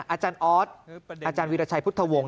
อาจารย์ออสอาจารย์วิราชัยพุทธวงศ